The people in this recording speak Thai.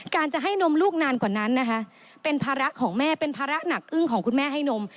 จะให้นมลูกนานกว่านั้นนะคะเป็นภาระของแม่เป็นภาระหนักอึ้งของคุณแม่ให้นม